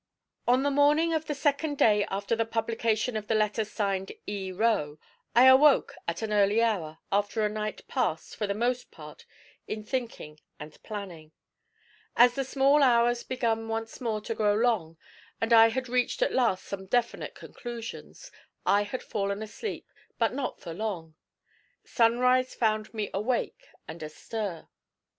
On the morning of the second day after the publication of the letter signed E. Roe, I awoke at an early hour, after a night passed, for the most part, in thinking and planning. As the small hours began once more to grow long, and I had reached at last some definite conclusions, I had fallen asleep, but not for long. Sunrise found me awake and astir.